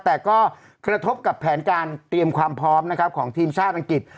แต่ก็กระทบกับแผนการเตรียมความพร้อมนะครับของทีมชาติอังกฤษ